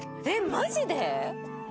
マジで？